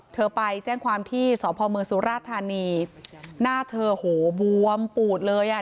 เธอไปแจ้งความที่สพมสุราธานีหน้าเธอโหบวมปูดเลยอ่ะ